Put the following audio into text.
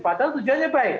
padahal tujuannya baik